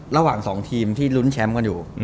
ระหว่าง๒ทีมที่ลุ้นแชมป์กันอยู่